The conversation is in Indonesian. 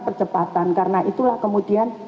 percepatan karena itulah kemudian